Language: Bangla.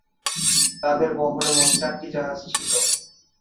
তাদের বহরে মোট চারটি জাহাজ ছিল।